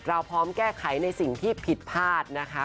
เราพร้อมแก้ไขในสิ่งที่ผิดพลาดนะคะ